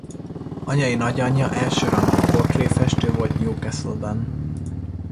Anyai nagyanyja elsőrangú portréfestő volt Newcastle-ben.